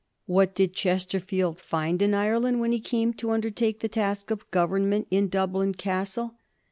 What did Chesterfield find in Ireland when he came to undertake the task of government in Dublin Castle